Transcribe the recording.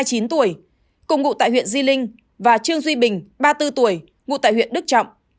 công ngụ tại huyện di linh và trương duy bình ngụ tại huyện đức trọng